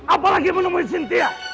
apalagi menemui cynthia